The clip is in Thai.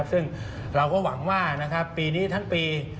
ซึ่งเราก็หวังว่าปีนี้ทั้งปี